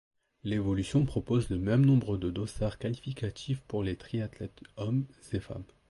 L'évolution propose le même nombre de dossards qualificatifs pour les triathlètes hommes et femmes.